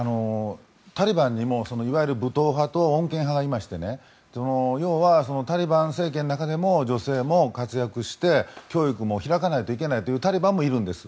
タリバンにもいわゆる武闘派と穏健派がいまして要はタリバン政権の中でも女性も活躍して教育も開かないといけないというタリバンもいるんです。